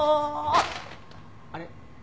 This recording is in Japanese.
あれ？